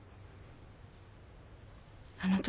あの時。